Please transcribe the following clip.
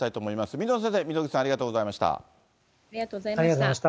水野先生、溝口さん、ありがとうありがとうございました。